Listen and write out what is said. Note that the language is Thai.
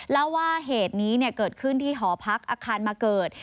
แล้วว่าเหตุนี้เกิดขึ้นที่หอพักอาคารมาเกิด